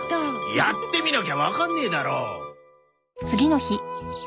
やってみなきゃわかんねえだろ！